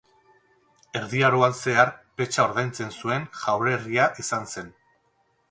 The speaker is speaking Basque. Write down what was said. Erdi Aroan zehar petxa ordaintzen zuen jaurerria izan zen.